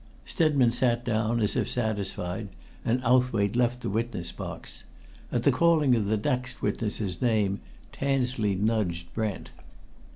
Stedman sat down, as if satisfied, and Owthwaite left the witness box. At the calling of the next witness's name Tansley nudged Brent.